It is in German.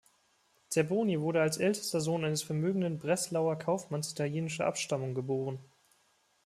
Zerboni wurde als ältester Sohn eines vermögenden Breslauer Kaufmanns italienischer Abstammung geboren.